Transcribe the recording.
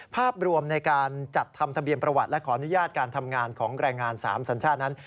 ภาพรวมในการจัดทำทะเบียนประวัติและขออนุญาตการทำงานของแรงงาน๓สัญชาตินั้น